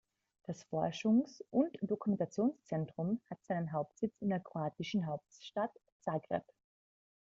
Das Forschungs- und Dokumentationszentrum hat seinen Hauptsitz in der kroatischen Hauptstadt Zagreb.